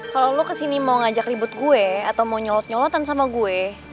kalau lo kesini mau ngajak ribut gue atau mau nyolot nyolotan sama gue